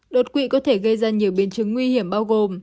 đột quỵ có thể gây ra nhiều biến chứng nguy hiểm bao gồm